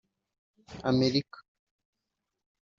Amerika